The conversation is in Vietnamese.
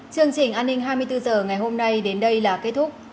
chương trình an ninh hai mươi bốn h ngày hôm nay đến đây là kết thúc